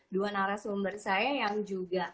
dua narasumber saya yang juga